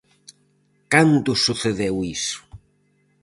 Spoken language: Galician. _¿Cando sucedeu iso?